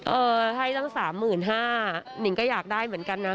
เออให้ตั้งสามหมื่นห้าหนิงก็อยากได้เหมือนกันนะ